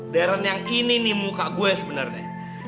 darren yang ini nih muka gue sebenernya